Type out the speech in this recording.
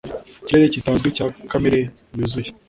Ikirere kitazwi cya kamere yuzuye